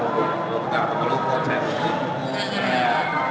bukan perlu konten